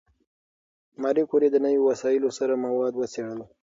ماري کوري د نوي وسایلو سره مواد وڅېړل.